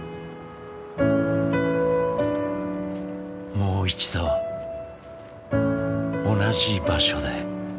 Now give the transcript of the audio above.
もう一度同じ場所で。